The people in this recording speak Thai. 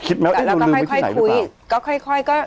คิดแม้ว่าเอ็นลืมไว้ที่ไหนหรือเปล่า